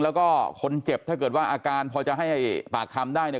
แล้วก็คนเจ็บถ้าเกิดว่าอาการพอจะให้ปากคำได้เนี่ย